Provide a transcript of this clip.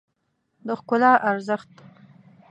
د ښکلا ارزښت